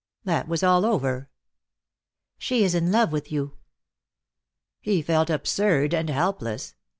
That was all over. "She is in love with you." He felt absurd and helpless.